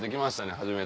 初めて。